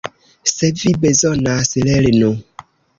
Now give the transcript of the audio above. Se vi bezonas lernu.